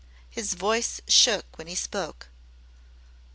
His voice shook when he spoke.